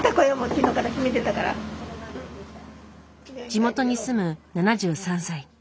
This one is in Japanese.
地元に住む７３歳。